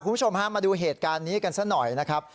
คุณผู้ชมฮะมาดูเหตุการณ์นี้กันซะหน่อยนะครับ